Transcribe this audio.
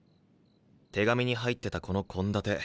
手紙に入ってたこの献立。